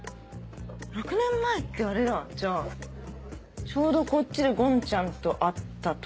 ６年前ってあれだじゃあちょうどこっちでごんちゃんと会った時？